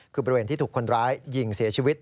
คือบริเวณที่ถูกคนร้ายยิงเสียชีวิต